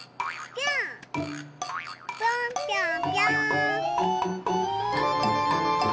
ぴょんぴょんぴょん。